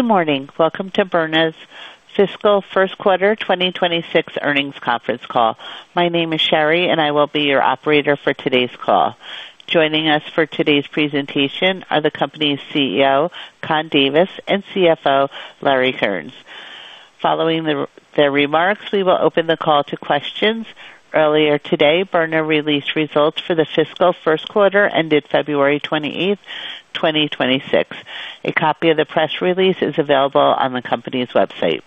Good morning. Welcome to Byrna's Fiscal First Quarter 2026 Earnings Conference Call. My name is Sherry, and I will be your operator for today's call. Joining us for today's presentation are the company's CEO, Conn Davis, and CFO, Lauri Kearnes. Following their remarks, we will open the call to questions. Earlier today, Byrna released results for the fiscal first quarter ended February 28th, 2026. A copy of the press release is available on the company's website.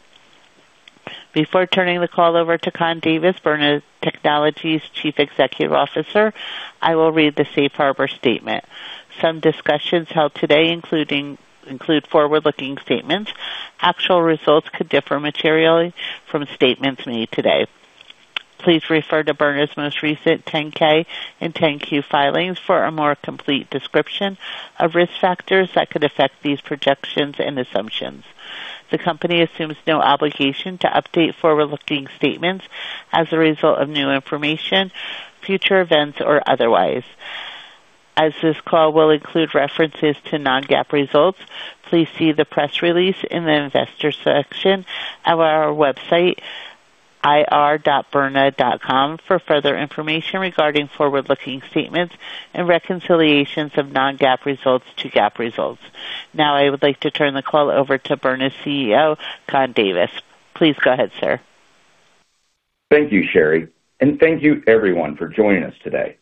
Before turning the call over to Conn Davis, Byrna Technologies' Chief Executive Officer, I will read the safe harbor statement. Some discussions held today include forward-looking statements. Actual results could differ materially from statements made today. Please refer to Byrna's most recent 10-K and 10-Q filings for a more complete description of risk factors that could affect these projections and assumptions. The company assumes no obligation to update forward-looking statements as a result of new information, future events, or otherwise. As this call will include references to non-GAAP results, please see the press release in the investor section of our website, ir.byrna.com, for further information regarding forward-looking statements and reconciliations of non-GAAP results to GAAP results. Now I would like to turn the call over to Byrna's CEO, Conn Davis. Please go ahead, sir. Thank you, Sherry, and thank you everyone for joining us today.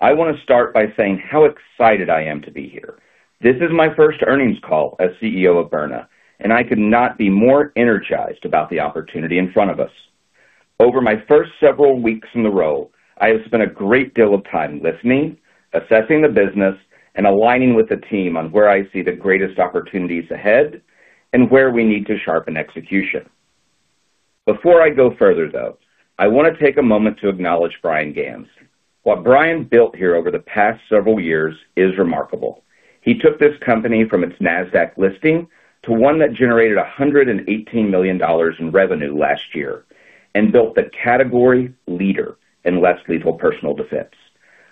I want to start by saying how excited I am to be here. This is my first earnings call as CEO of Byrna, and I could not be more energized about the opportunity in front of us. Over my first several weeks in the role, I have spent a great deal of time listening, assessing the business, and aligning with the team on where I see the greatest opportunities ahead and where we need to sharpen execution. Before I go further, though, I want to take a moment to acknowledge Bryan Ganz. What Bryan built here over the past several years is remarkable. He took this company from its NASDAQ listing to one that generated $118 million in revenue last year and built the category leader in less lethal personal defense.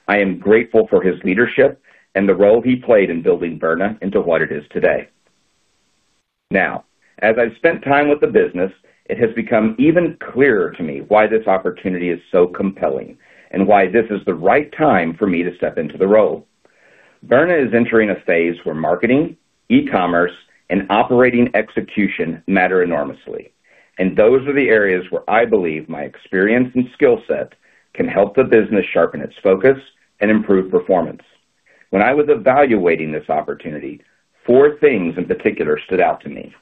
I am grateful for his leadership and the role he played in building Byrna into what it is today. Now, as I've spent time with the business, it has become even clearer to me why this opportunity is so compelling and why this is the right time for me to step into the role. Byrna is entering a phase where marketing, e-commerce, and operating execution matter enormously, and those are the areas where I believe my experience and skill set can help the business sharpen its focus and improve performance. When I was evaluating this opportunity, four things in particular stood out to me.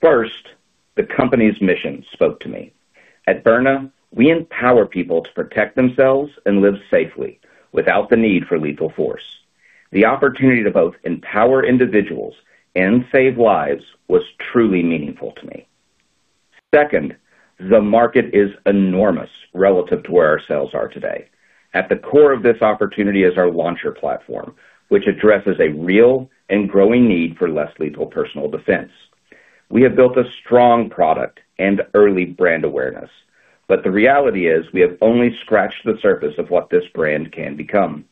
First, the company's mission spoke to me. At Byrna, we empower people to protect themselves and live safely without the need for lethal force. The opportunity to both empower individuals and save lives was truly meaningful to me. Second, the market is enormous relative to where our sales are today. At the core of this opportunity is our launcher platform, which addresses a real and growing need for less lethal personal defense. We have built a strong product and early brand awareness, but the reality is we have only scratched the surface of what this brand can become.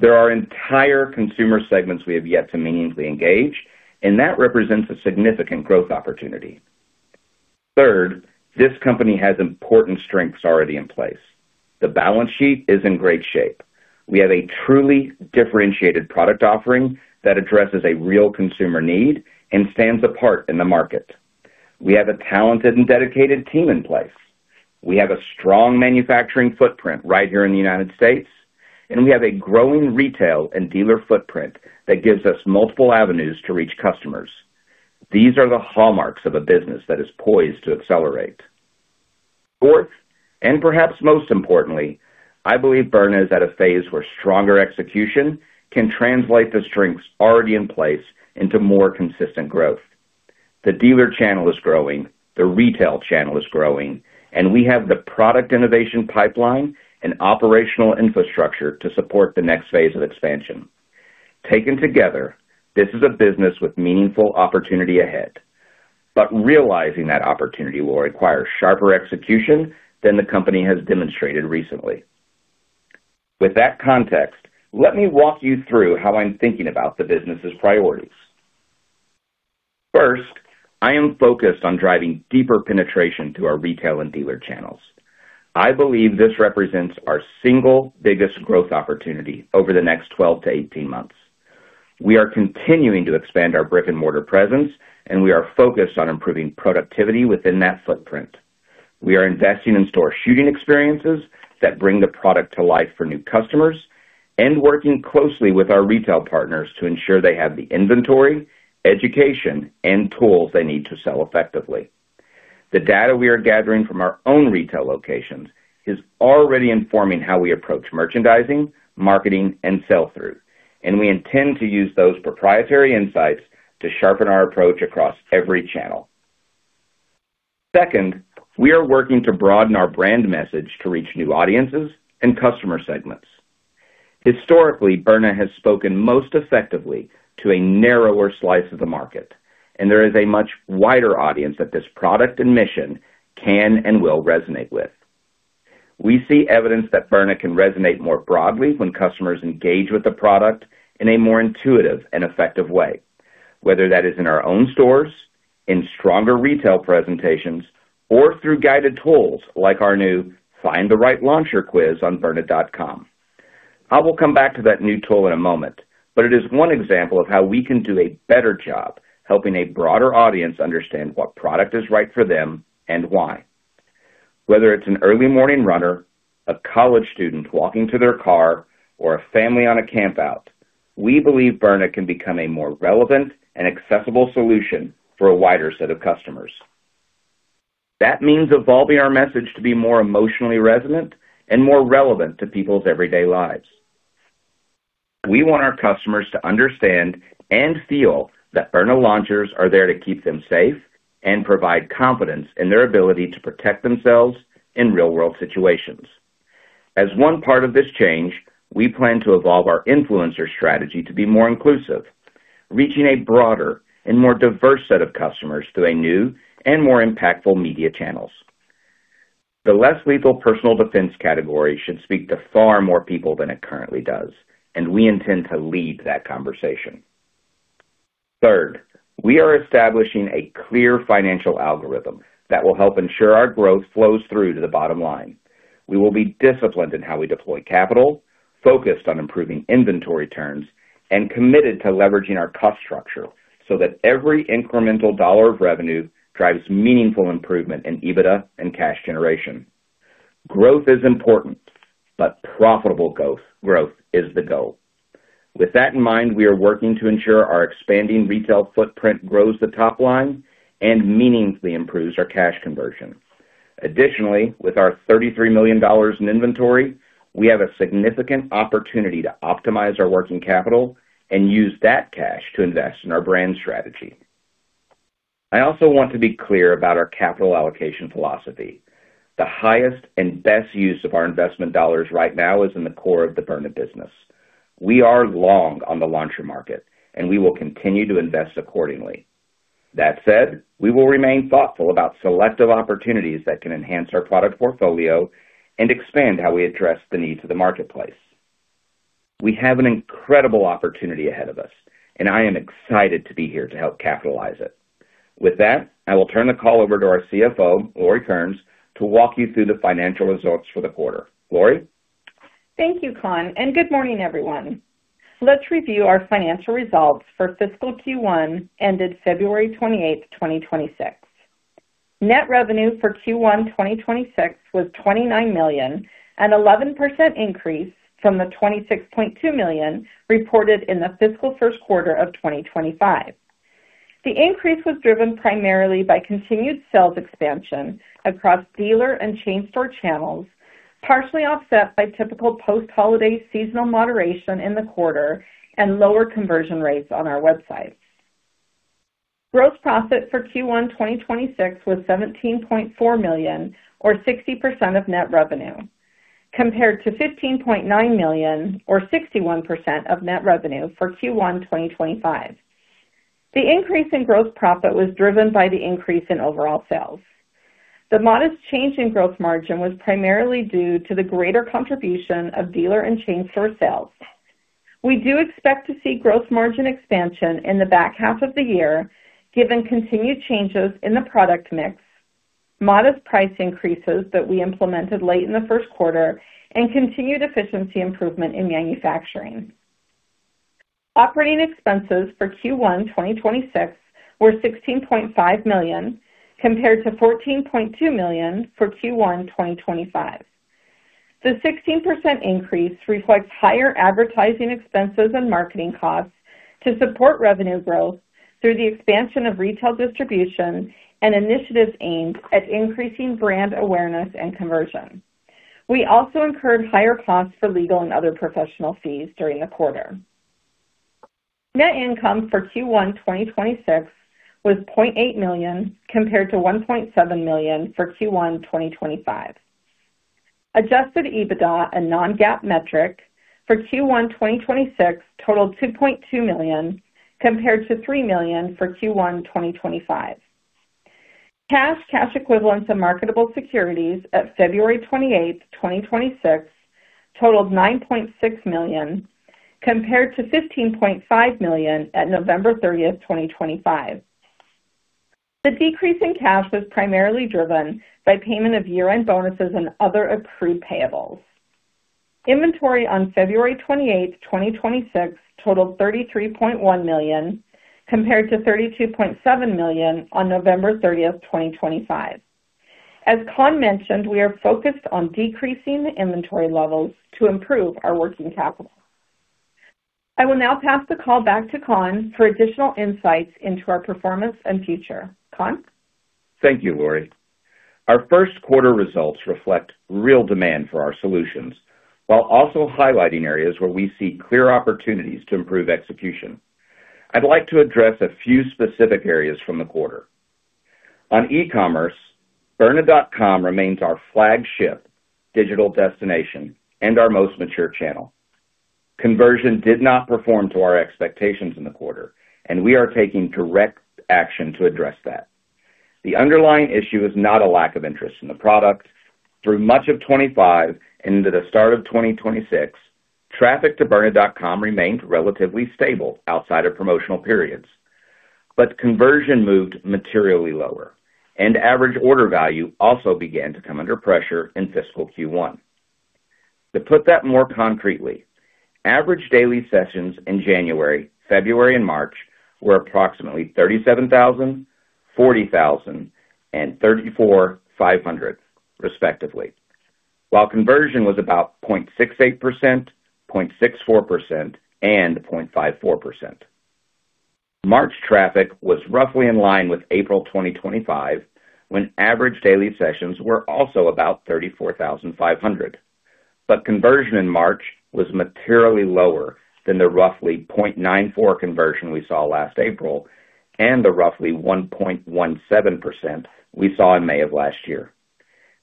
There are entire consumer segments we have yet to meaningfully engage, and that represents a significant growth opportunity. Third, this company has important strengths already in place. The balance sheet is in great shape. We have a truly differentiated product offering that addresses a real consumer need and stands apart in the market. We have a talented and dedicated team in place. We have a strong manufacturing footprint right here in the United States, and we have a growing retail and dealer footprint that gives us multiple avenues to reach customers. These are the hallmarks of a business that is poised to accelerate. Fourth, and perhaps most importantly, I believe Byrna is at a phase where stronger execution can translate the strengths already in place into more consistent growth. The dealer channel is growing, the retail channel is growing, and we have the product innovation pipeline and operational infrastructure to support the next phase of expansion. Taken together, this is a business with meaningful opportunity ahead, but realizing that opportunity will require sharper execution than the company has demonstrated recently. With that context, let me walk you through how I'm thinking about the business's priorities. First, I am focused on driving deeper penetration to our retail and dealer channels. I believe this represents our single biggest growth opportunity over the next 12-18 months. We are continuing to expand our brick-and-mortar presence, and we are focused on improving productivity within that footprint. We are investing in store shooting experiences that bring the product to life for new customers and working closely with our retail partners to ensure they have the inventory, education, and tools they need to sell effectively. The data we are gathering from our own retail locations is already informing how we approach merchandising, marketing, and sell-through, and we intend to use those proprietary insights to sharpen our approach across every channel. Second, we are working to broaden our brand message to reach new audiences and customer segments. Historically, Byrna has spoken most effectively to a narrower slice of the market, and there is a much wider audience that this product and mission can and will resonate with. We see evidence that Byrna can resonate more broadly when customers engage with the product in a more intuitive and effective way, whether that is in our own stores, in stronger retail presentations, or through guided tools like our new Find the Right Launcher quiz on byrna.com. I will come back to that new tool in a moment, but it is one example of how we can do a better job helping a broader audience understand what product is right for them and why. Whether it's an early morning runner, a college student walking to their car, or a family on a camp out, we believe Byrna can become a more relevant and accessible solution for a wider set of customers. That means evolving our message to be more emotionally resonant and more relevant to people's everyday lives. We want our customers to understand and feel that Byrna launchers are there to keep them safe and provide confidence in their ability to protect themselves in real-world situations. As one part of this change, we plan to evolve our influencer strategy to be more inclusive, reaching a broader and more diverse set of customers through new and more impactful media channels. The less lethal personal defense category should speak to far more people than it currently does, and we intend to lead that conversation. Third, we are establishing a clear financial algorithm that will help ensure our growth flows through to the bottom line. We will be disciplined in how we deploy capital, focused on improving inventory turns, and committed to leveraging our cost structure so that every incremental dollar of revenue drives meaningful improvement in EBITDA and cash generation. Growth is important, but profitable growth is the goal. With that in mind, we are working to ensure our expanding retail footprint grows the top line and meaningfully improves our cash conversion. Additionally, with our $33 million in inventory, we have a significant opportunity to optimize our working capital and use that cash to invest in our brand strategy. I also want to be clear about our capital allocation philosophy. The highest and best use of our investment dollars right now is in the core of the Byrna business. We are long on the launcher market, and we will continue to invest accordingly. That said, we will remain thoughtful about selective opportunities that can enhance our product portfolio and expand how we address the needs of the marketplace. We have an incredible opportunity ahead of us, and I am excited to be here to help capitalize it. With that, I will turn the call over to our CFO, Lauri Kearnes, to walk you through the financial results for the quarter. Lauri? Thank you, Con, and good morning, everyone. Let's review our financial results for fiscal Q1 ended February 28th, 2026. Net revenue for Q1 2026 was $29 million, an 11% increase from the $26.2 million reported in the fiscal first quarter of 2025. The increase was driven primarily by continued sales expansion across dealer and chain store channels, partially offset by typical post-holiday seasonal moderation in the quarter and lower conversion rates on our website. Gross profit for Q1 2026 was $17.4 million or 60% of net revenue, compared to $15.9 million or 61% of net revenue for Q1 2025. The increase in gross profit was driven by the increase in overall sales. The modest change in gross margin was primarily due to the greater contribution of dealer and chain store sales. We do expect to see gross margin expansion in the back half of the year given continued changes in the product mix, modest price increases that we implemented late in the first quarter, and continued efficiency improvement in manufacturing. Operating expenses for Q1 2026 were $16.5 million, compared to $14.2 million for Q1 2025. The 16% increase reflects higher advertising expenses and marketing costs to support revenue growth through the expansion of retail distribution and initiatives aimed at increasing brand awareness and conversion. We also incurred higher costs for legal and other professional fees during the quarter. Net income for Q1 2026 was $0.8 million, compared to $1.7 million for Q1 2025. Adjusted EBITDA, a non-GAAP metric, for Q1 2026 totaled $2.2 million compared to $3 million for Q1 2025. Cash, cash equivalents, and marketable securities at February 28th, 2026 totaled $9.6 million compared to $15.5 million at November 30th, 2025. The decrease in cash was primarily driven by payment of year-end bonuses and other accrued payables. Inventory on February 28th, 2026 totaled $33.1 million, compared to $32.7 million on November 30th, 2025. As Conn mentioned, we are focused on decreasing the inventory levels to improve our working capital. I will now pass the call back to Conn for additional insights into our performance and future. Conn? Thank you, Lauri. Our first quarter results reflect real demand for our solutions, while also highlighting areas where we see clear opportunities to improve execution. I'd like to address a few specific areas from the quarter. On e-commerce, byrna.com remains our flagship digital destination and our most mature channel. Conversion did not perform to our expectations in the quarter, and we are taking direct action to address that. The underlying issue is not a lack of interest in the product. Through much of 2025 into the start of 2026, traffic to byrna.com remained relatively stable outside of promotional periods, but conversion moved materially lower, and average order value also began to come under pressure in fiscal Q1. To put that more concretely, average daily sessions in January, February, and March were approximately 37,000, 40,000, and 34,500 respectively, while conversion was about 0.68%, 0.64%, and 0.54%. March traffic was roughly in line with April 2025, when average daily sessions were also about 34,500. Conversion in March was materially lower than the roughly 0.94% conversion we saw last April, and the roughly 1.17% we saw in May of last year.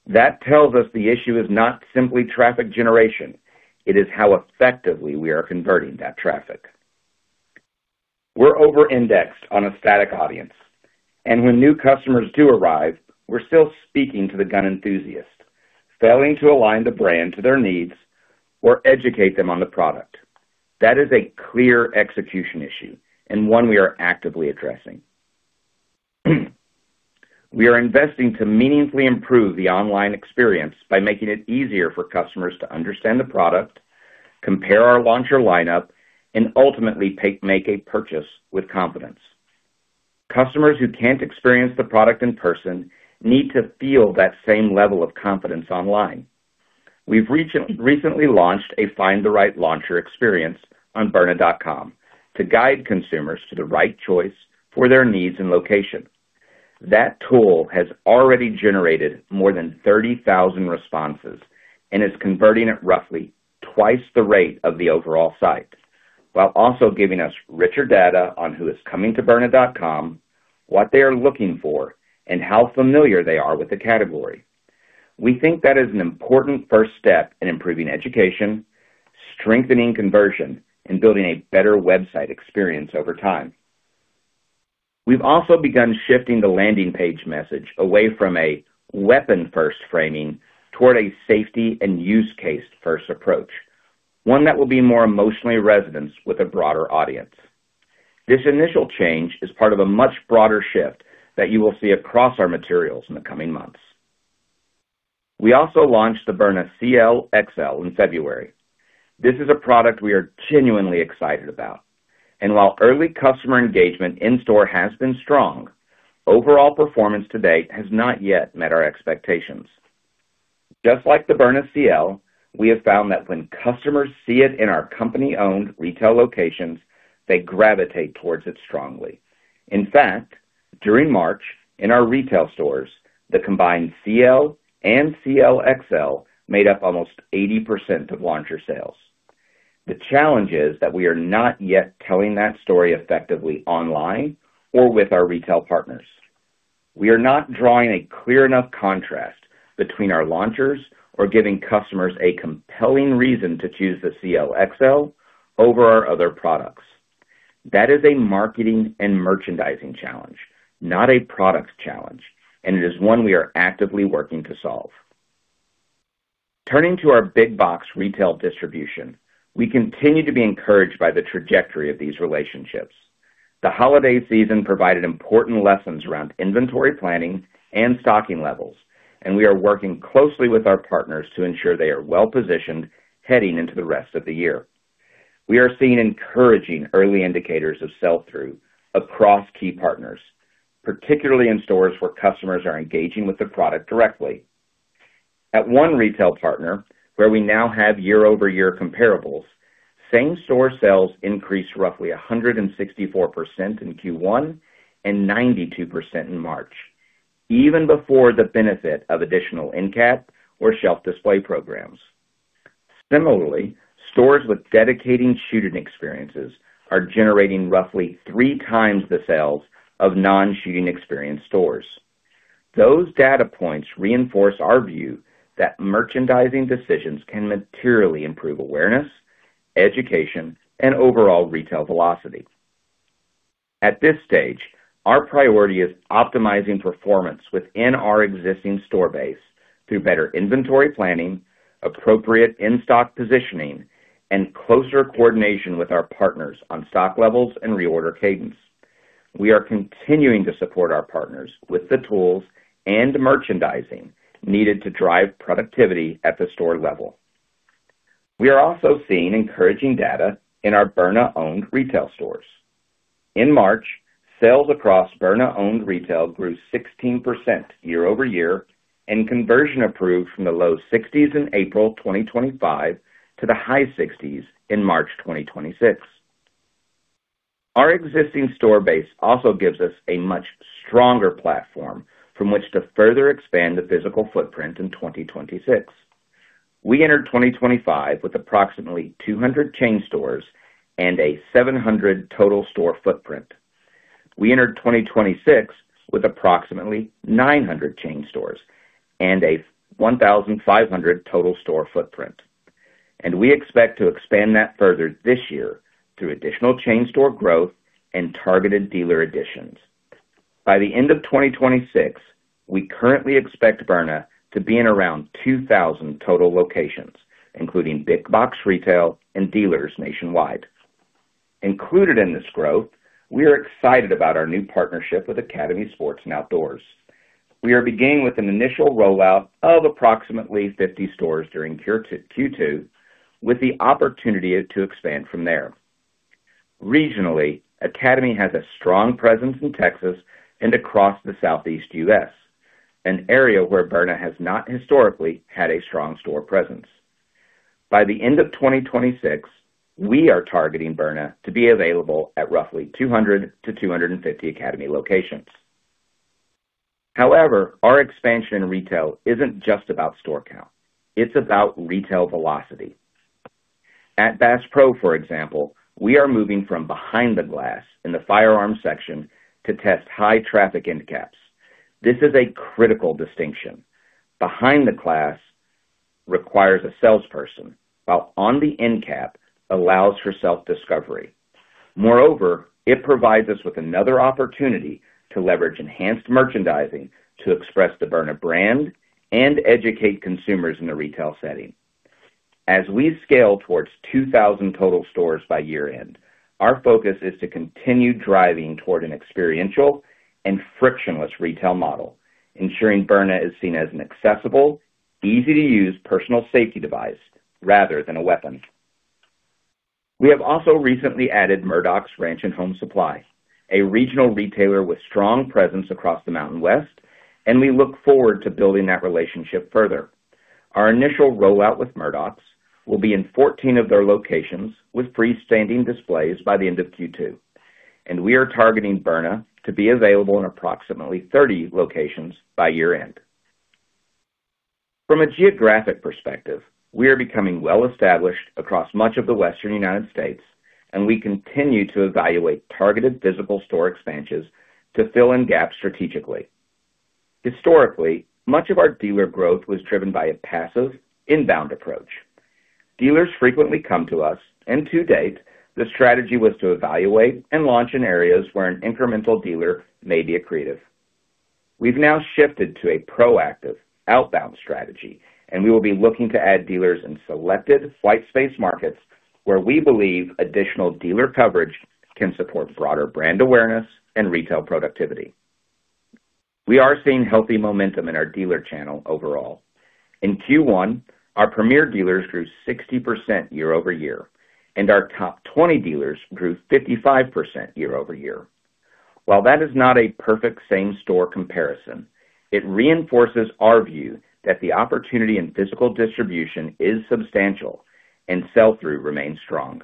That tells us the issue is not simply traffic generation. It is how effectively we are converting that traffic. We're over-indexed on a static audience, and when new customers do arrive, we're still speaking to the gun enthusiast, failing to align the brand to their needs or educate them on the product. That is a clear execution issue and one we are actively addressing. We are investing to meaningfully improve the online experience by making it easier for customers to understand the product, compare our launcher lineup, and ultimately make a purchase with confidence. Customers who can't experience the product in person need to feel that same level of confidence online. We've recently launched a Find the Right Launcher experience on byrna.com to guide consumers to the right choice for their needs and location. That tool has already generated more than 30,000 responses and is converting at roughly twice the rate of the overall site, while also giving us richer data on who is coming to byrna.com, what they are looking for, and how familiar they are with the category. We think that is an important first step in improving education, strengthening conversion, and building a better website experience over time. We've also begun shifting the landing page message away from a weapon-first framing toward a safety and use case first approach, one that will be more emotionally resonant with a broader audience. This initial change is part of a much broader shift that you will see across our materials in the coming months. We also launched the Byrna CL-XL in February. This is a product we are genuinely excited about, and while early customer engagement in-store has been strong, overall performance to date has not yet met our expectations. Just like the Byrna CL, we have found that when customers see it in our company-owned retail locations, they gravitate towards it strongly. In fact, during March in our retail stores, the combined CL and CL-XL made up almost 80% of launcher sales. The challenge is that we are not yet telling that story effectively online or with our retail partners. We are not drawing a clear enough contrast between our launchers or giving customers a compelling reason to choose the CL-XL over our other products. That is a marketing and merchandising challenge, not a product challenge, and it is one we are actively working to solve. Turning to our big box retail distribution, we continue to be encouraged by the trajectory of these relationships. The holiday season provided important lessons around inventory planning and stocking levels, and we are working closely with our partners to ensure they are well positioned heading into the rest of the year. We are seeing encouraging early indicators of sell-through across key partners, particularly in stores where customers are engaging with the product directly. At one retail partner, where we now have year-over-year comparables, same-store sales increased roughly 164% in Q1 and 92% in March, even before the benefit of additional end cap or shelf display programs. Similarly, stores with dedicated shooting experiences are generating roughly three times the sales of non-shooting experience stores. Those data points reinforce our view that merchandising decisions can materially improve awareness, education, and overall retail velocity. At this stage, our priority is optimizing performance within our existing store base through better inventory planning, appropriate in-stock positioning, and closer coordination with our partners on stock levels and reorder cadence. We are continuing to support our partners with the tools and merchandising needed to drive productivity at the store level. We are also seeing encouraging data in our Byrna-owned retail stores. In March, sales across Byrna-owned retail grew 16% year-over-year, and conversion improved from the low sixties in April 2025 to the high sixties in March 2026. Our existing store base also gives us a much stronger platform from which to further expand the physical footprint in 2026. We entered 2025 with approximately 200 chain stores and a 700 total store footprint. We entered 2026 with approximately 900 chain stores and a 1,500 total store footprint. We expect to expand that further this year through additional chain store growth and targeted dealer additions. By the end of 2026, we currently expect Byrna to be in around 2,000 total locations, including big box retail and dealers nationwide. Included in this growth, we are excited about our new partnership with Academy Sports + Outdoors. We are beginning with an initial rollout of approximately 50 stores during Q2, with the opportunity to expand from there. Regionally, Academy has a strong presence in Texas and across the Southeast U.S., an area where Byrna has not historically had a strong store presence. By the end of 2026, we are targeting Byrna to be available at roughly 200-250 Academy locations. However, our expansion in retail isn't just about store count, it's about retail velocity. At Bass Pro, for example, we are moving from behind the glass in the firearm section to test high traffic end caps. This is a critical distinction. Behind the glass requires a salesperson, while on the end cap allows for self-discovery. Moreover, it provides us with another opportunity to leverage enhanced merchandising to express the Byrna brand and educate consumers in a retail setting. As we scale towards 2,000 total stores by year-end, our focus is to continue driving toward an experiential and frictionless retail model, ensuring Byrna is seen as an accessible, easy-to-use personal safety device rather than a weapon. We have also recently added Murdoch's Ranch & Home Supply, a regional retailer with strong presence across the Mountain West, and we look forward to building that relationship further. Our initial rollout with Murdoch's will be in 14 of their locations with freestanding displays by the end of Q2, and we are targeting Byrna to be available in approximately 30 locations by year-end. From a geographic perspective, we are becoming well-established across much of the Western United States, and we continue to evaluate targeted physical store expansions to fill in gaps strategically. Historically, much of our dealer growth was driven by a passive inbound approach. Dealers frequently come to us, and to date, the strategy was to evaluate and launch in areas where an incremental dealer may be accretive. We've now shifted to a proactive outbound strategy, and we will be looking to add dealers in selected white space markets where we believe additional dealer coverage can support broader brand awareness and retail productivity. We are seeing healthy momentum in our dealer channel overall. In Q1, our premier dealers grew 60% year-over-year, and our top 20 dealers grew 55% year-over-year. While that is not a perfect same-store comparison, it reinforces our view that the opportunity in physical distribution is substantial and sell-through remains strong.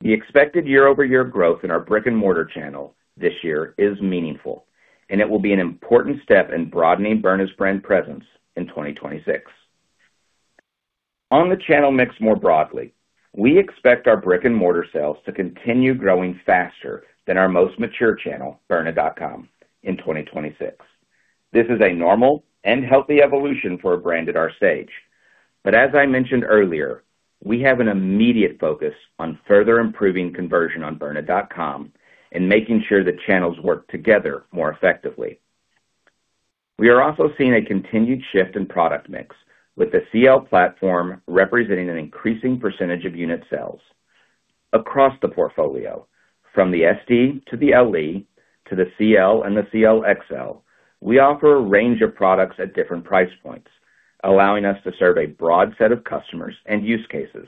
The expected year-over-year growth in our brick-and-mortar channel this year is meaningful, and it will be an important step in broadening Byrna's brand presence in 2026. On the channel mix more broadly, we expect our brick-and-mortar sales to continue growing faster than our most mature channel, byrna.com, in 2026. This is a normal and healthy evolution for a brand at our stage. But as I mentioned earlier, we have an immediate focus on further improving conversion on byrna.com and making sure the channels work together more effectively. We are also seeing a continued shift in product mix, with the CL platform representing an increasing percentage of unit sales. Across the portfolio, from the SD to the LE, to the CL and the CL-XL, we offer a range of products at different price points, allowing us to serve a broad set of customers and use cases.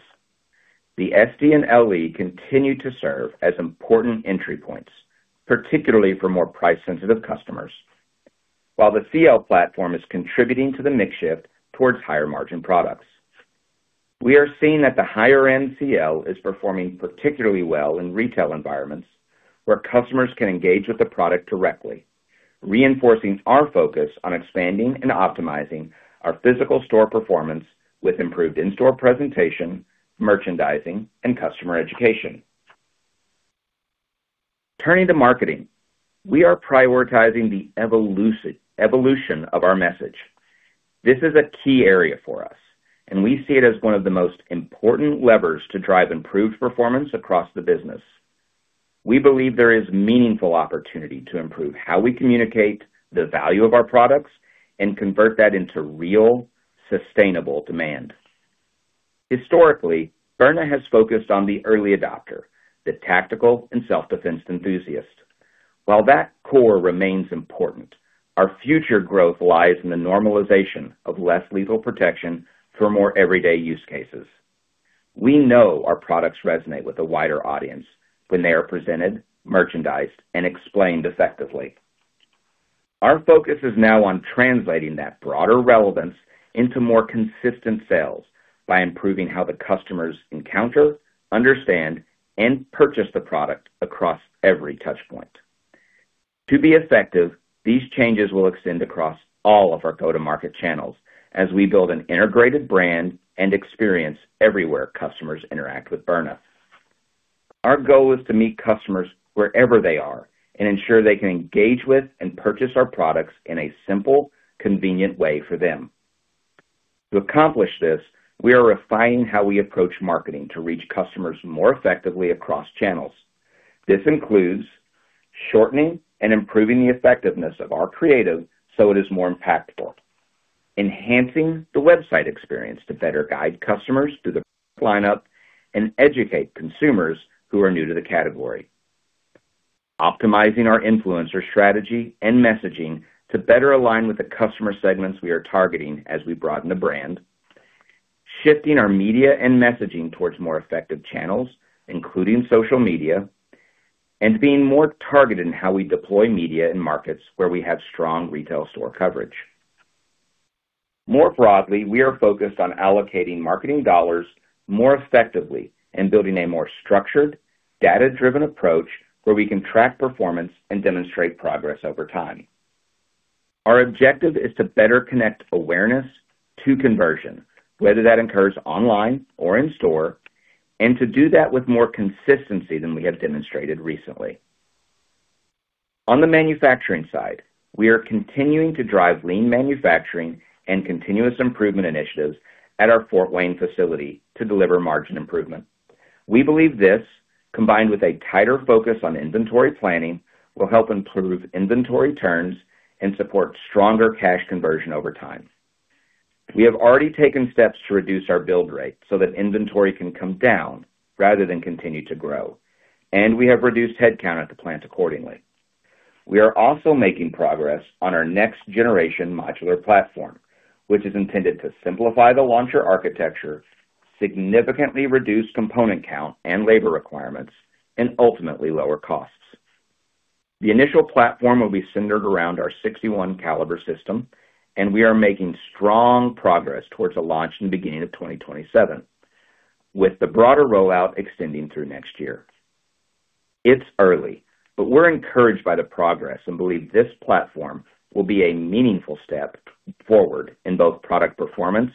The SD and LE continue to serve as important entry points, particularly for more price-sensitive customers. While the CL platform is contributing to the mix shift towards higher-margin products. We are seeing that the higher-end CL is performing particularly well in retail environments where customers can engage with the product directly, reinforcing our focus on expanding and optimizing our physical store performance with improved in-store presentation, merchandising, and customer education. Turning to marketing, we are prioritizing the evolution of our message. This is a key area for us, and we see it as one of the most important levers to drive improved performance across the business. We believe there is meaningful opportunity to improve how we communicate the value of our products and convert that into real, sustainable demand. Historically, Byrna has focused on the early adopter, the tactical and self-defense enthusiast. While that core remains important, our future growth lies in the normalization of less lethal protection for more everyday use cases. We know our products resonate with a wider audience when they are presented, merchandised, and explained effectively. Our focus is now on translating that broader relevance into more consistent sales by improving how the customers encounter, understand, and purchase the product across every touch point. To be effective, these changes will extend across all of our go-to-market channels as we build an integrated brand and experience everywhere customers interact with Byrna. Our goal is to meet customers wherever they are and ensure they can engage with and purchase our products in a simple, convenient way for them. To accomplish this, we are refining how we approach marketing to reach customers more effectively across channels. This includes shortening and improving the effectiveness of our creative so it is more impactful, enhancing the website experience to better guide customers through the lineup and educate consumers who are new to the category, optimizing our influencer strategy and messaging to better align with the customer segments we are targeting as we broaden the brand, shifting our media and messaging towards more effective channels, including social media, and being more targeted in how we deploy media in markets where we have strong retail store coverage. More broadly, we are focused on allocating marketing dollars more effectively and building a more structured, data-driven approach where we can track performance and demonstrate progress over time. Our objective is to better connect awareness to conversion, whether that occurs online or in-store, and to do that with more consistency than we have demonstrated recently. On the manufacturing side, we are continuing to drive lean manufacturing and continuous improvement initiatives at our Fort Wayne facility to deliver margin improvement. We believe this, combined with a tighter focus on inventory planning, will help improve inventory turns and support stronger cash conversion over time. We have already taken steps to reduce our build rate so that inventory can come down rather than continue to grow, and we have reduced headcount at the plant accordingly. We are also making progress on our next-generation modular platform, which is intended to simplify the launcher architecture, significantly reduce component count and labor requirements, and ultimately lower costs. The initial platform will be centered around our .68 caliber system, and we are making strong progress towards a launch in the beginning of 2027, with the broader rollout extending through next year. It's early, but we're encouraged by the progress and believe this platform will be a meaningful step forward in both product performance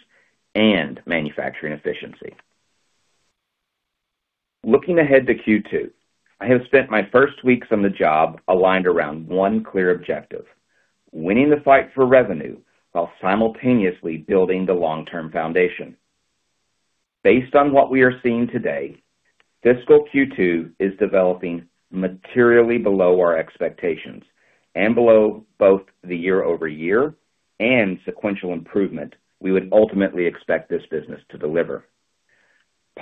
and manufacturing efficiency. Looking ahead to Q2, I have spent my first weeks on the job aligned around one clear objective, winning the fight for revenue while simultaneously building the long-term foundation. Based on what we are seeing today, fiscal Q2 is developing materially below our expectations and below both the year-over-year and sequential improvement we would ultimately expect this business to deliver.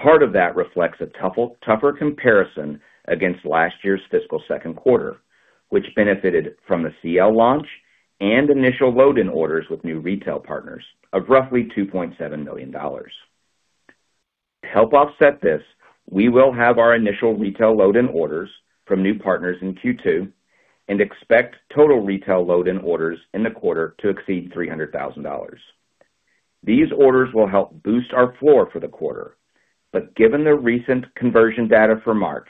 Part of that reflects a tougher comparison against last year's fiscal second quarter, which benefited from the CL launch and initial load-in orders with new retail partners of roughly $2.7 million. To help offset this, we will have our initial retail load-in orders from new partners in Q2 and expect total retail load-in orders in the quarter to exceed $300,000. These orders will help boost our floor for the quarter, but given the recent conversion data for March,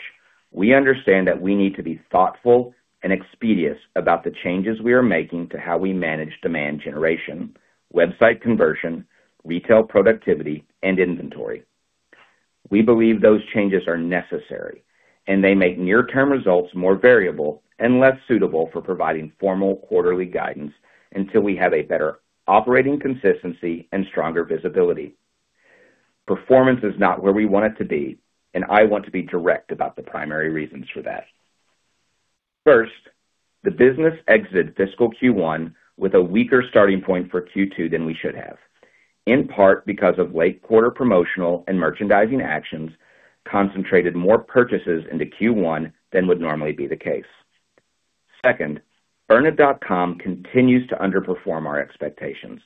we understand that we need to be thoughtful and expeditious about the changes we are making to how we manage demand generation, website conversion, retail productivity, and inventory. We believe those changes are necessary, and they make near-term results more variable and less suitable for providing formal quarterly guidance until we have a better operating consistency and stronger visibility. Performance is not where we want it to be, and I want to be direct about the primary reasons for that. First, the business exited fiscal Q1 with a weaker starting point for Q2 than we should have, in part because of late-quarter promotional and merchandising actions concentrated more purchases into Q1 than would normally be the case. Second, byrna.com continues to underperform our expectations.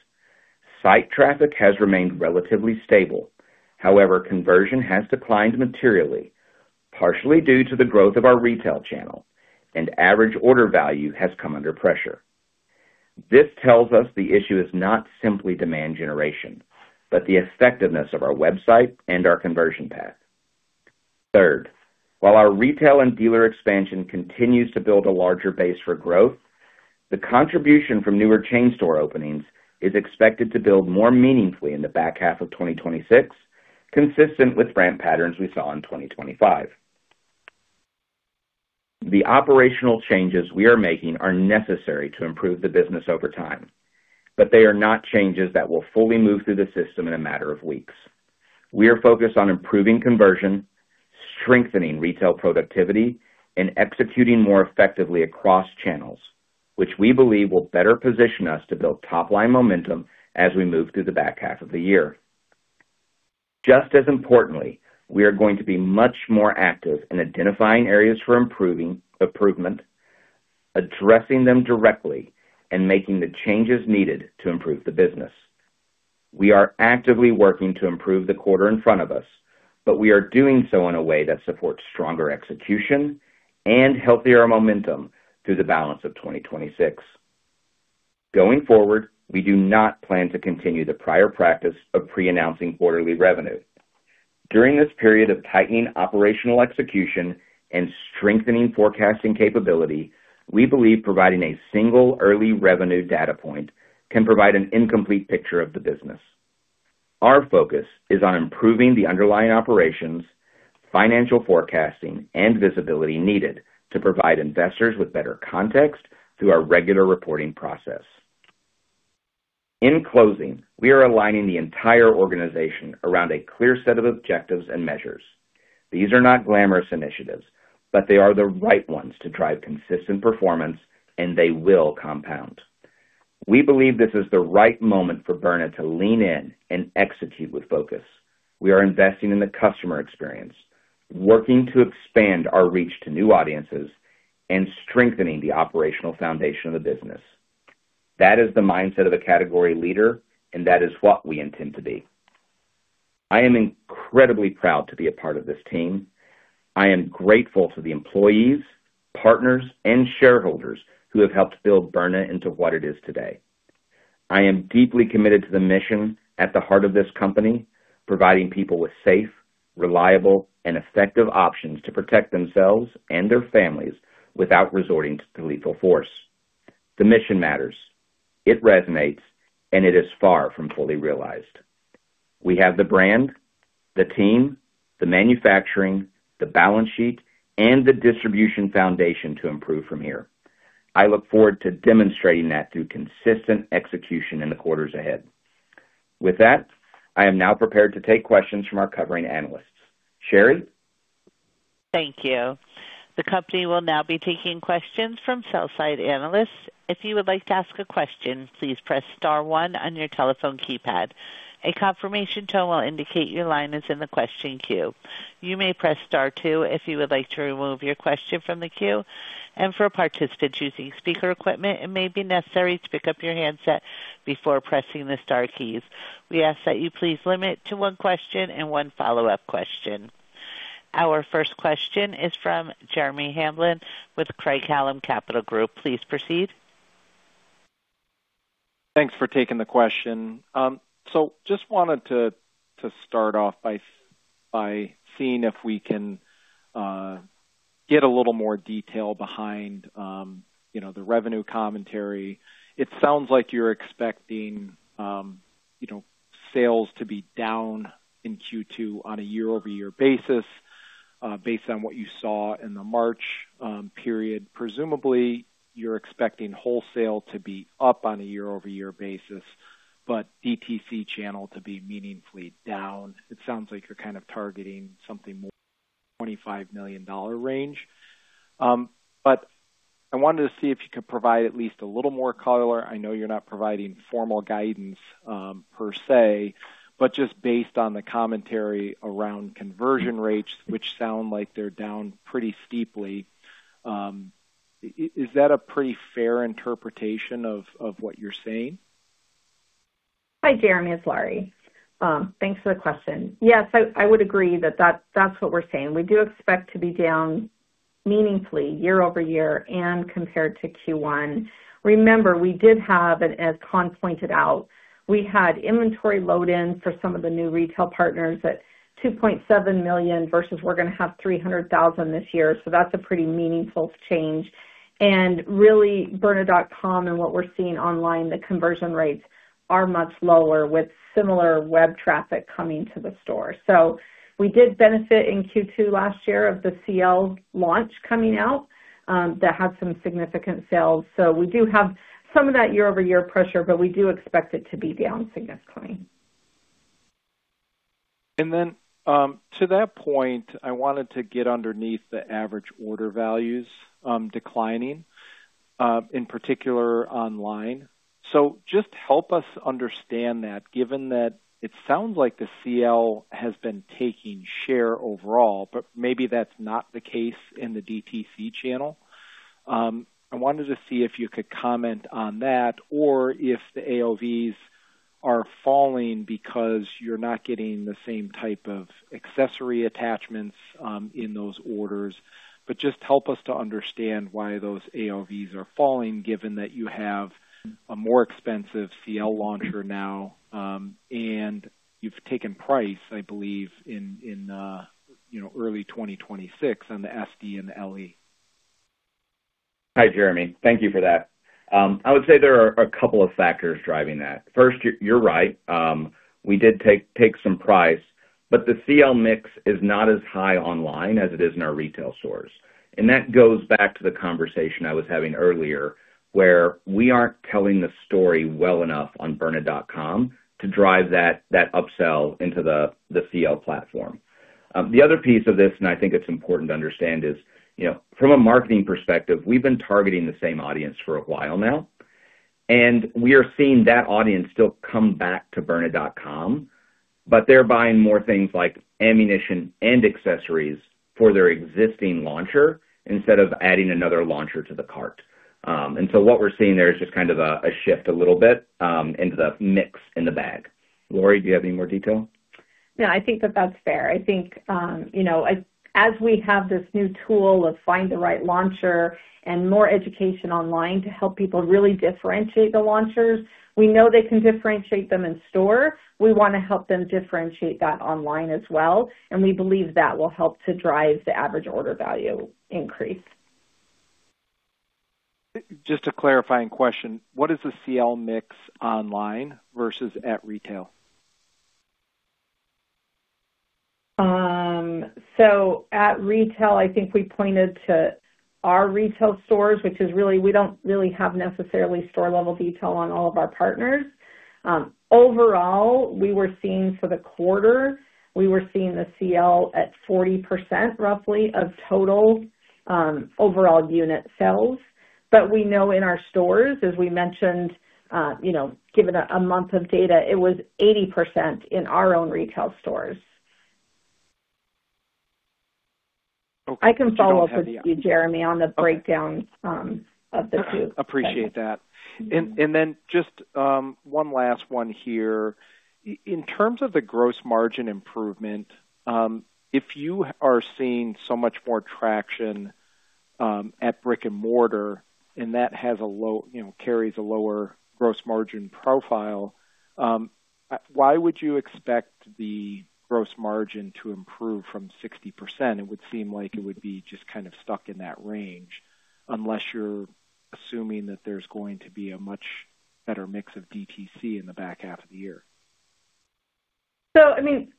Site traffic has remained relatively stable. However, conversion has declined materially, partially due to the growth of our retail channel, and average order value has come under pressure. This tells us the issue is not simply demand generation, but the effectiveness of our website and our conversion path. Third, while our retail and dealer expansion continues to build a larger base for growth, the contribution from newer chain store openings is expected to build more meaningfully in the back half of 2026, consistent with ramp patterns we saw in 2025. The operational changes we are making are necessary to improve the business over time, but they are not changes that will fully move through the system in a matter of weeks. We are focused on improving conversion, strengthening retail productivity, and executing more effectively across channels, which we believe will better position us to build top-line momentum as we move through the back half of the year. Just as importantly, we are going to be much more active in identifying areas for improvement, addressing them directly, and making the changes needed to improve the business. We are actively working to improve the quarter in front of us, but we are doing so in a way that supports stronger execution and healthier momentum through the balance of 2026. Going forward, we do not plan to continue the prior practice of pre-announcing quarterly revenue. During this period of tightening operational execution and strengthening forecasting capability, we believe providing a single early revenue data point can provide an incomplete picture of the business. Our focus is on improving the underlying operations, financial forecasting, and visibility needed to provide investors with better context through our regular reporting process. In closing, we are aligning the entire organization around a clear set of objectives and measures. These are not glamorous initiatives, but they are the right ones to drive consistent performance, and they will compound. We believe this is the right moment for Byrna to lean in and execute with focus. We are investing in the customer experience, working to expand our reach to new audiences, and strengthening the operational foundation of the business. That is the mindset of a category leader, and that is what we intend to be. I am incredibly proud to be a part of this team. I am grateful to the employees, partners, and shareholders who have helped build Byrna into what it is today. I am deeply committed to the mission at the heart of this company, providing people with safe, reliable, and effective options to protect themselves and their families without resorting to lethal force. The mission matters. It resonates, and it is far from fully realized. We have the brand, the team, the manufacturing, the balance sheet, and the distribution foundation to improve from here. I look forward to demonstrating that through consistent execution in the quarters ahead. With that, I am now prepared to take questions from our covering analysts. Sherry? Thank you. The company will now be taking questions from sell-side analysts. If you would like to ask a question, please press star one on your telephone keypad. A confirmation tone will indicate your line is in the question queue. You may press star two if you would like to remove your question from the queue. For participants using speaker equipment, it may be necessary to pick up your handset before pressing the star keys. We ask that you please limit to one question and one follow-up question. Our first question is from Jeremy Hamblin with Craig-Hallum Capital Group. Please proceed. Thanks for taking the question. Just wanted to start off by seeing if we can get a little more detail behind the revenue commentary. It sounds like you're expecting sales to be down in Q2 on a year-over-year basis based on what you saw in the March period. Presumably, you're expecting wholesale to be up on a year-over-year basis, but DTC channel to be meaningfully down. It sounds like you're kind of targeting in the $25 million range. I wanted to see if you could provide at least a little more color. I know you're not providing formal guidance per se, but just based on the commentary around conversion rates, which sound like they're down pretty steeply, is that a pretty fair interpretation of what you're saying? Hi, Jeremy. It's Lauri. Thanks for the question. Yes, I would agree that's what we're saying. We do expect to be down meaningfully year-over-year and compared to Q1. Remember, we did have, and as Conn pointed out, we had inventory load-ins for some of the new retail partners at $2.7 million, versus we're going to have $300,000 this year. That's a pretty meaningful change. Really, byrna.com and what we're seeing online, the conversion rates are much lower with similar web traffic coming to the store. We did benefit in Q2 last year of the CL launch coming out. That had some significant sales. We do have some of that year-over-year pressure, but we do expect it to be down significantly. To that point, I wanted to get underneath the average order values declining, in particular online. Just help us understand that, given that it sounds like the CL has been taking share overall, but maybe that's not the case in the DTC channel. I wanted to see if you could comment on that or if the AOVs are falling because you're not getting the same type of accessory attachments in those orders. Just help us to understand why those AOVs are falling, given that you have a more expensive CL launcher now, and you've taken price, I believe, in early 2026 on the SD and the LE. Hi, Jeremy. Thank you for that. I would say there are a couple of factors driving that. First, you're right. We did take some price, but the CL mix is not as high online as it is in our retail stores. That goes back to the conversation I was having earlier, where we aren't telling the story well enough on byrna.com to drive that upsell into the CL platform. The other piece of this, and I think it's important to understand, is from a marketing perspective, we've been targeting the same audience for a while now, and we are seeing that audience still come back to byrna.com, but they're buying more things like ammunition and accessories for their existing launcher instead of adding another launcher to the cart. What we're seeing there is just kind of a shift a little bit into the mix in the bag. Lauri, do you have any more detail? No, I think that that's fair. I think, as we have this new tool of Find the Right Launcher and more education online to help people really differentiate the launchers, we know they can differentiate them in store. We want to help them differentiate that online as well, and we believe that will help to drive the average order value increase. Just a clarifying question. What is the CL mix online versus at retail? At retail, I think we pointed to our retail stores, which is really, we don't really have necessarily store-level detail on all of our partners. Overall, we were seeing for the quarter the CL at 40% roughly of total overall unit sales. We know in our stores, as we mentioned, given a month of data, it was 80% in our own retail stores. Okay. I can follow up with you, Jeremy, on the breakdown of the two. Appreciate that. Just one last one here. In terms of the gross margin improvement, if you are seeing so much more traction, at brick and mortar, and that carries a lower gross margin profile, why would you expect the gross margin to improve from 60%? It would seem like it would be just kind of stuck in that range, unless you're assuming that there's going to be a much better mix of DTC in the back half of the year.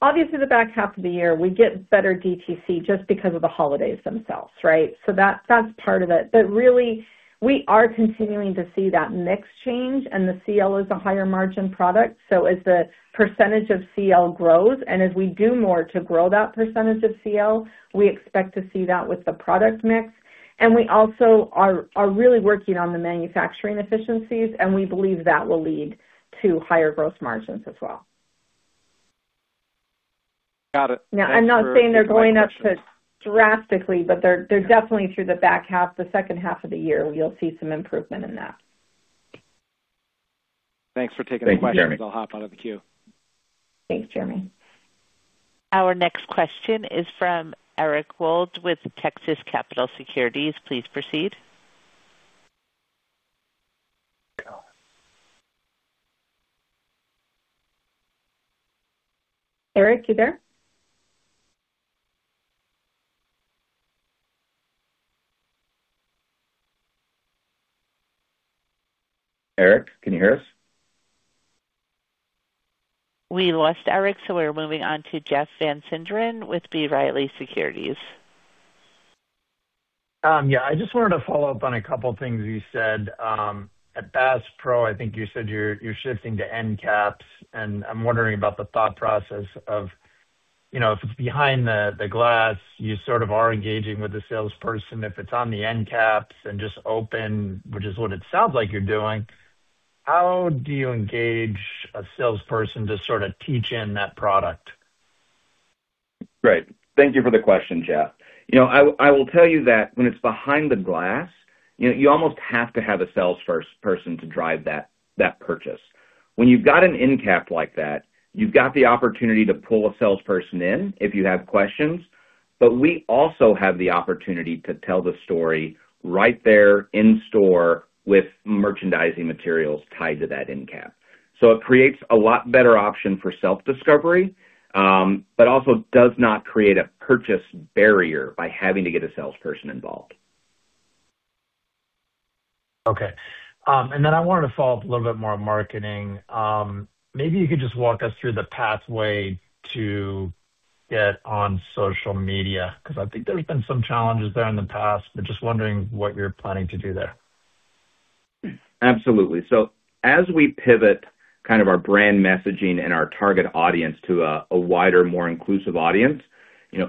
Obviously the back half of the year, we get better DTC just because of the holidays themselves, right? That's part of it. Really, we are continuing to see that mix change and the CL is a higher margin product. As the percentage of CL grows, and as we do more to grow that percentage of CL, we expect to see that with the product mix. We also are really working on the manufacturing efficiencies, and we believe that will lead to higher gross margins as well. Got it. Now, I'm not saying they're going up drastically, but they're definitely through the back half, the second half of the year, you'll see some improvement in that. Thanks for taking the question. Thanks, Jeremy. I'll hop out of the queue. Thanks, Jeremy. Our next question is from Eric Wold with Texas Capital Securities. Please proceed. Eric, you there? Eric, can you hear us? We lost Eric, so we're moving on to Jeff Van Sinderen with B. Riley Securities. Yeah. I just wanted to follow up on a couple things you said. At Bass Pro, I think you said you're shifting to end caps, and I'm wondering about the thought process of, if it's behind the glass, you sort of are engaging with the salesperson. If it's on the end caps and just open, which is what it sounds like you're doing, how do you engage a salesperson to sort of teach in that product? Great. Thank you for the question, Jeff. I will tell you that when it's behind the glass, you almost have to have a salesperson to drive that purchase. When you've got an end cap like that, you've got the opportunity to pull a salesperson in if you have questions, but we also have the opportunity to tell the story right there in store with merchandising materials tied to that end cap. It creates a lot better option for self-discovery, but also does not create a purchase barrier by having to get a salesperson involved. Okay. I wanted to follow up a little bit more on marketing. Maybe you could just walk us through the pathway to get on social media, because I think there's been some challenges there in the past, but just wondering what you're planning to do there. Absolutely. As we pivot kind of our brand messaging and our target audience to a wider, more inclusive audience,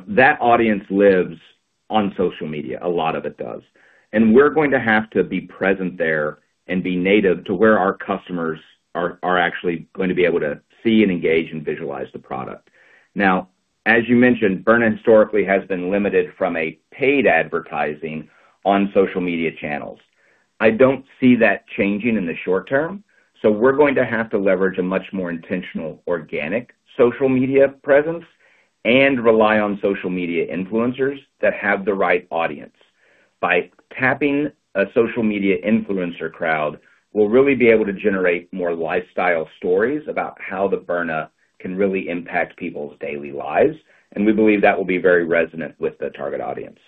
that audience lives on social media. A lot of it does. We're going to have to be present there and be native to where our customers are actually going to be able to see and engage and visualize the product. Now, as you mentioned, Byrna historically has been limited from paid advertising on social media channels. I don't see that changing in the short term, so we're going to have to leverage a much more intentional organic social media presence and rely on social media influencers that have the right audience. By tapping a social media influencer crowd, we'll really be able to generate more lifestyle stories about how the Byrna can really impact people's daily lives, and we believe that will be very resonant with the target audience.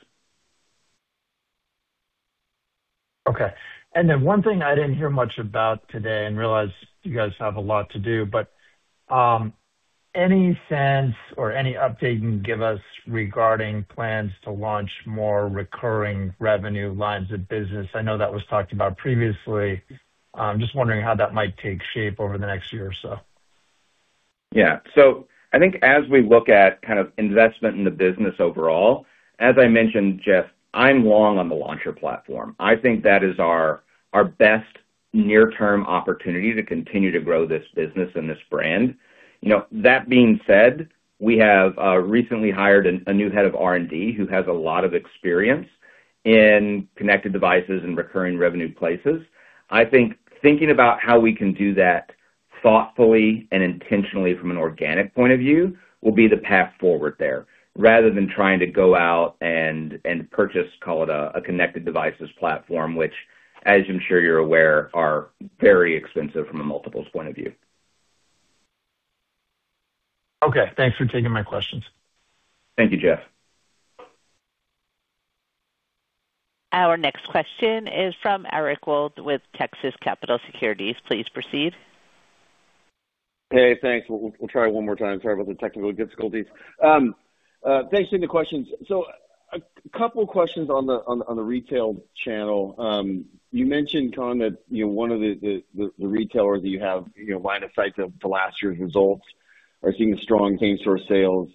Okay. One thing I didn't hear much about today, and realize you guys have a lot to do, but, any sense or any update you can give us regarding plans to launch more recurring revenue lines of business? I know that was talked about previously. Just wondering how that might take shape over the next year or so. Yeah. I think as we look at investment in the business overall, as I mentioned, Jeff, I'm long on the launcher platform. I think that is our best near-term opportunity to continue to grow this business and this brand. That being said, we have recently hired a new head of R&D who has a lot of experience in connected devices and recurring revenue places. I think thinking about how we can do that thoughtfully and intentionally from an organic point of view will be the path forward there. Rather than trying to go out and purchase, call it, a connected devices platform, which as I'm sure you're aware, are very expensive from a multiples point of view. Okay. Thanks for taking my questions. Thank you, Jeff. Our next question is from Eric Wold with Texas Capital Securities. Please proceed. Hey, thanks. We'll try one more time. Sorry about the technical difficulties. Thanks for the questions. A couple questions on the retail channel. You mentioned, Conn, that one of the retailers that you have line of sight to last year's results are seeing strong same-store sales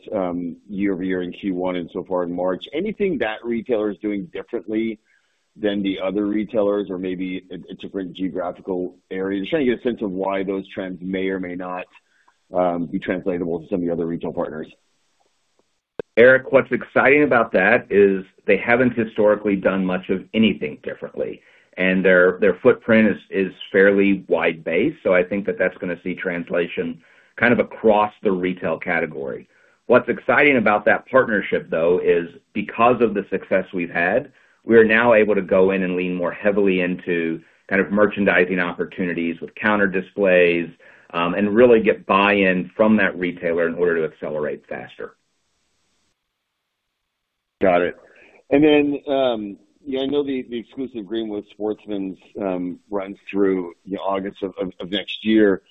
year-over-year in Q1 and so far in March. Anything that retailer is doing differently than the other retailers? Or maybe a different geographical area. Just trying to get a sense of why those trends may or may not be translatable to some of your other retail partners. Eric, what's exciting about that is they haven't historically done much of anything differently, and their footprint is fairly wide-based. I think that that's going to see translation kind of across the retail category. What's exciting about that partnership, though, is because of the success we've had, we are now able to go in and lean more heavily into kind of merchandising opportunities with counter displays, and really get buy-in from that retailer in order to accelerate faster. Got it. I know the exclusive agreement with Sportsman's runs through August of next year.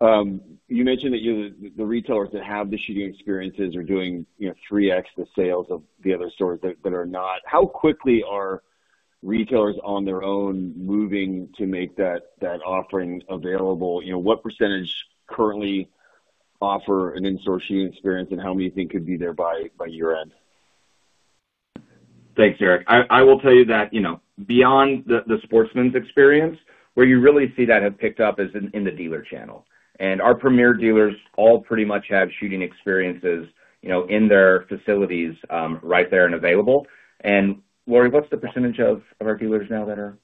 You mentioned that the retailers that have the shooting experiences are doing 3X the sales of the other stores that are not. How quickly are retailers on their own moving to make that offering available? What percentage currently offer an in-store shooting experience, and how many think could be there by year-end? Thanks, Eric. I will tell you that, beyond the Sportsman's experience, where you really see that have picked up is in the dealer channel. Our premier dealers all pretty much have shooting experiences in their facilities, right there and available. Lauri, what's the percentage of our dealers now that are...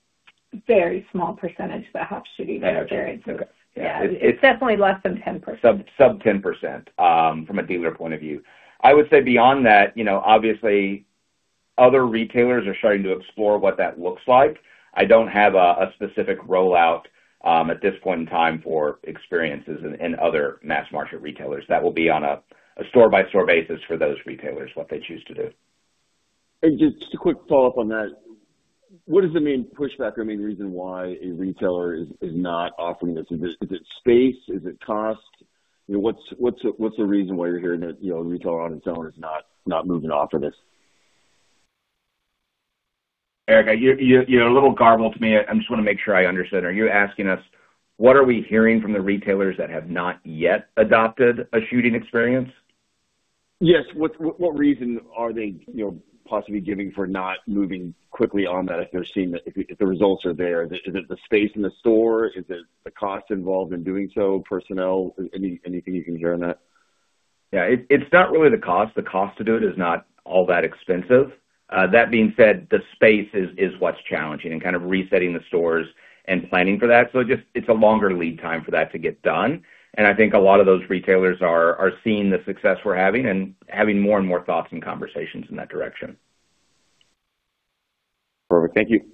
Very small percentage that have shooting experiences. Okay. Yeah. It's definitely less than 10%. Sub-10% from a dealer point of view. I would say beyond that, obviously other retailers are starting to explore what that looks like. I don't have a specific rollout at this point in time for experiences in other mass market retailers. That will be on a store-by-store basis for those retailers, what they choose to do. Just a quick follow-up on that. What is the main pushback or main reason why a retailer is not offering this? Is it space? Is it cost? What's the reason why you're hearing that a retailer on its own is not moving to offer this? Eric, you're a little garbled to me. I just want to make sure I understood. Are you asking us what are we hearing from the retailers that have not yet adopted a shooting experience? Yes. What reason are they possibly giving for not moving quickly on that if they're seeing that the results are there? Is it the space in the store? Is it the cost involved in doing so, personnel? Anything you can share on that? Yeah. It's not really the cost. The cost to do it is not all that expensive. That being said, the space is what's challenging and kind of resetting the stores and planning for that. It's a longer lead time for that to get done, and I think a lot of those retailers are seeing the success we're having and having more and more thoughts and conversations in that direction. Perfect. Thank you.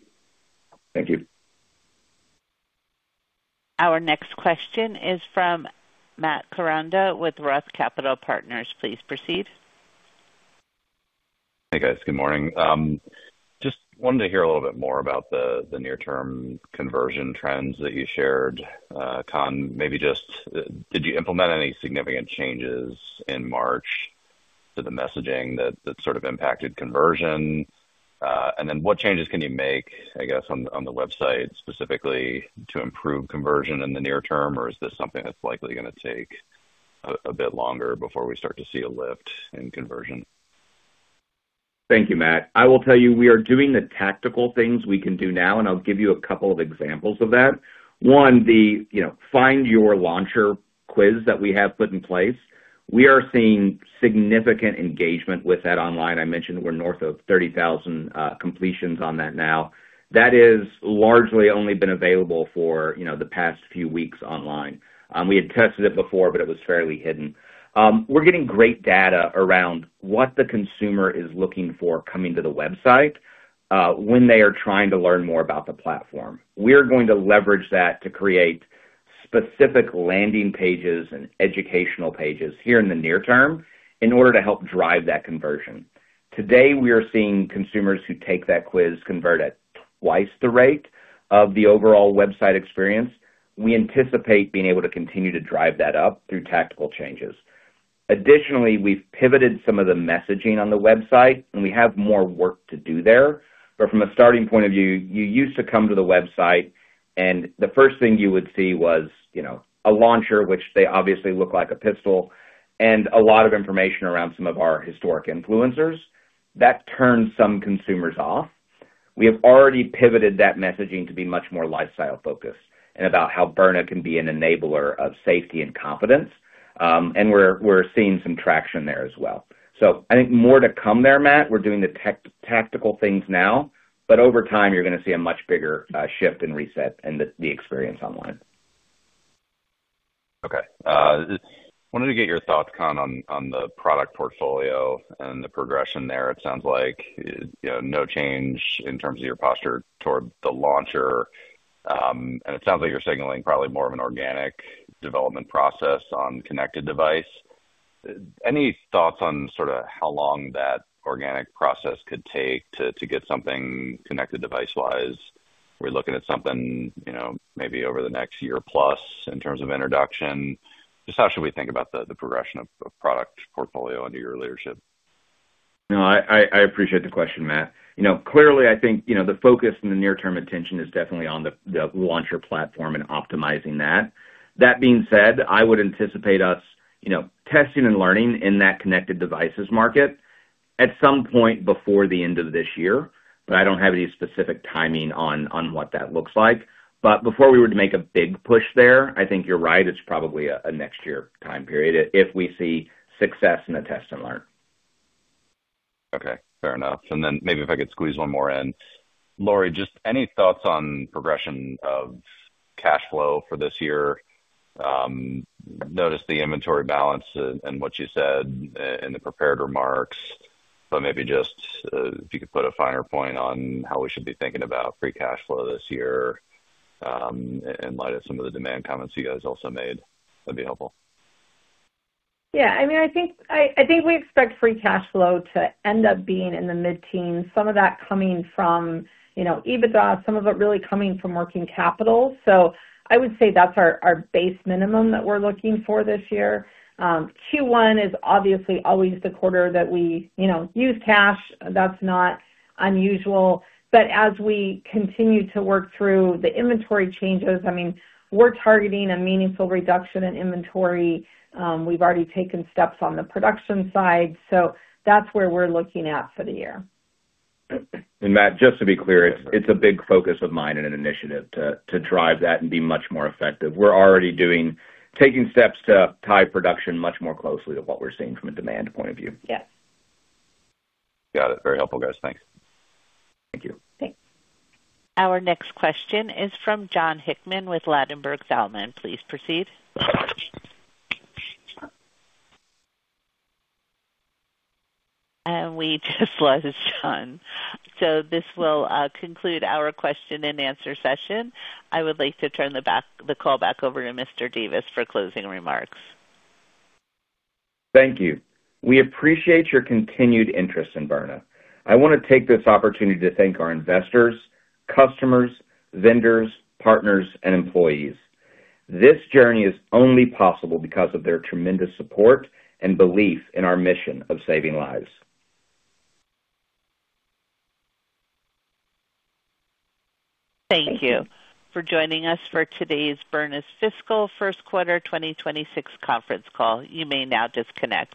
Thank you. Our next question is from Matt Koranda with ROTH Capital Partners. Please proceed. Hey, guys. Good morning. Just wanted to hear a little bit more about the near-term conversion trends that you shared. Conn, did you implement any significant changes in March to the messaging that sort of impacted conversion? What changes can you make, I guess, on the website specifically to improve conversion in the near term? Or is this something that's likely going to take a bit longer before we start to see a lift in conversion? Thank you, Matt. I will tell you, we are doing the tactical things we can do now, and I'll give you a couple of examples of that. One, the Find the Right Launcher quiz that we have put in place. We are seeing significant engagement with that online. I mentioned we're north of 30,000 completions on that now. That is largely only been available for the past few weeks online. We had tested it before, but it was fairly hidden. We're getting great data around what the consumer is looking for coming to the website when they are trying to learn more about the platform. We're going to leverage that to create specific landing pages and educational pages here in the near term in order to help drive that conversion. Today, we are seeing consumers who take that quiz convert at twice the rate of the overall website experience. We anticipate being able to continue to drive that up through tactical changes. Additionally, we've pivoted some of the messaging on the website, and we have more work to do there. From a starting point of view, you used to come to the website, and the first thing you would see was a launcher, which they obviously look like a pistol, and a lot of information around some of our historic influencers. That turned some consumers off. We have already pivoted that messaging to be much more lifestyle-focused and about how Byrna can be an enabler of safety and confidence. We're seeing some traction there as well. I think more to come there, Matt. We're doing the tactical things now, but over time, you're going to see a much bigger shift and reset in the experience online. Okay. I wanted to get your thoughts, Conn, on the product portfolio and the progression there. It sounds like no change in terms of your posture toward the launcher. It sounds like you're signaling probably more of an organic development process on connected device. Any thoughts on how long that organic process could take to get something connected device-wise? Are we looking at something maybe over the next year-plus in terms of introduction? Just how should we think about the progression of product portfolio under your leadership? No, I appreciate the question, Matt. Clearly, I think, the focus and the near-term attention is definitely on the launcher platform and optimizing that. That being said, I would anticipate us testing and learning in that connected devices market at some point before the end of this year, but I don't have any specific timing on what that looks like. Before we were to make a big push there, I think you're right, it's probably a next year time period if we see success in the test and learn. Okay. Fair enough. Maybe if I could squeeze one more in. Lauri, just any thoughts on progression of cash flow for this year? Noticed the inventory balance and what you said in the prepared remarks, but maybe just if you could put a finer point on how we should be thinking about free cash flow this year, in light of some of the demand comments you guys also made, that'd be helpful. Yeah. I think we expect free cash flow to end up being in the mid-teens, some of that coming from EBITDA, some of it really coming from working capital. I would say that's our base minimum that we're looking for this year. Q1 is obviously always the quarter that we use cash. That's not unusual. As we continue to work through the inventory changes, we're targeting a meaningful reduction in inventory. We've already taken steps on the production side, so that's where we're looking at for the year. Matt, just to be clear, it's a big focus of mine and an initiative to drive that and be much more effective. We're already taking steps to tie production much more closely to what we're seeing from a demand point of view. Yes. Got it. Very helpful, guys. Thanks. Thank you. Thanks. Our next question is from Jon Hickman with Ladenburg Thalmann. Please proceed. We just lost Jon. This will conclude our question and answer session. I would like to turn the call back over to Mr. Davis for closing remarks. Thank you. We appreciate your continued interest in Byrna. I want to take this opportunity to thank our investors, customers, vendors, partners, and employees. This journey is only possible because of their tremendous support and belief in our mission of saving lives. Thank you for joining us for today's Byrna's Fiscal First Quarter 2026 Conference Call. You may now disconnect.